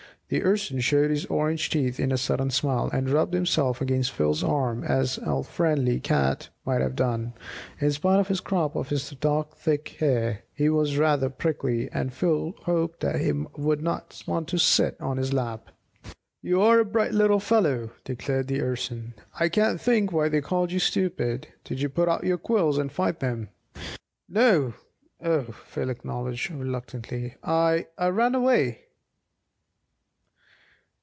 The Urson showed his orange teeth in a sudden smile, and rubbed himself against Phil's arm as al friendly cat might have done. In spite of his crop of thick dark hair he was rather prickly, and Phil hoped that he would not want to sit on his lap. "You're a bright little fellow," declared the Urson; "I can't think why they called you 'stupid.' Did you put out your quills and fight them?" "No, o," Phil acknowledged reluctantly. "I I ran away."